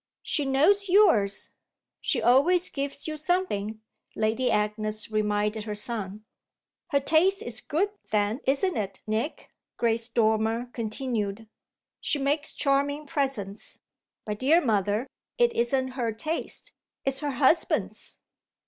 "She knows yours; she always gives you something," Lady Agnes reminded her son. "Her taste is good then, isn't it, Nick?" Grace Dormer continued. "She makes charming presents; but, dear mother, it isn't her taste. It's her husband's."